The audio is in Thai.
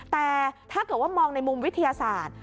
แต่ถ้าเกิดว่ามองในมุมวิทยาศาสตร์